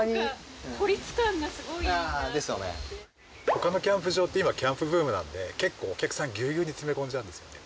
ほかのキャンプ場って今キャンプブームなんで結構お客さんぎゅうぎゅうに詰め込んじゃうんですよね。